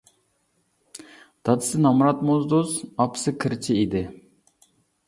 دادىسى نامرات موزدۇز، ئاپىسى كىرچى ئىدى.